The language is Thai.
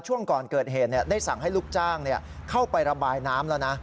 ช่วงก่อนเกิดเหตุได้สั่งให้ลูกจ้างเข้าไประบายน้ำแล้วนะ